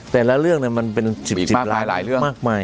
แต่ละเรื่องเนี่ยมันเป็นหลายหลายเรื่อง